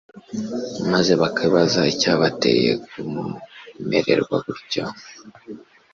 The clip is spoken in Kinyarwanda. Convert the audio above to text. maze bakibaza icyabateye kumererwa gutyo